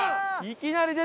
いきなり。